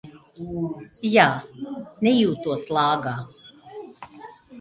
Jā, nejūtos lāgā.